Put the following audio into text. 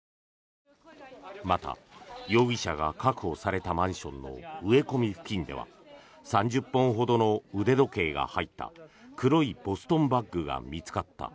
また、容疑者が確保されたマンションの植え込み付近では３０本ほどの腕時計が入った黒いボストンバッグが見つかった。